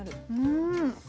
うん。